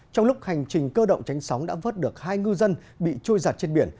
trong lúc hành trình cơ động tránh sóng đã vớt được hai ngư dân bị trôi giặt trên biển